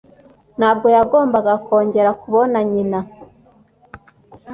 Ntabwo yagombaga kongera kubona nyina.